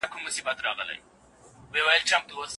د جومات منارې له لیرې څخه ډیرې ښکاري.